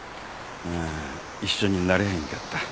一緒になれへんかった。